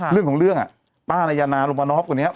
เรื่องของเรื่องป้านายนารมน็อกคนนี้